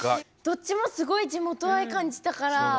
どっちもすごい地元愛感じたから。